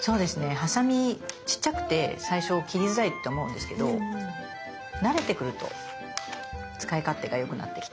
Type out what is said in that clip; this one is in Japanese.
ハサミちっちゃくて最初切りづらいって思うんですけど慣れてくると使い勝手がよくなってきて。